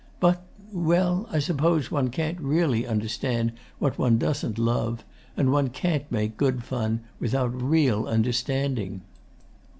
But well, I suppose one can't really understand what one doesn't love, and one can't make good fun without real understanding.